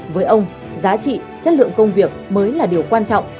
với ông giá trị chất lượng công việc mới là điều quan trọng